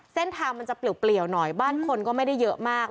เส้นทางมันจะเปลี่ยวหน่อยบ้านคนก็ไม่ได้เยอะมาก